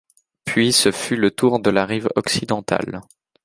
Puis ce fut le tour de la rive occidentale.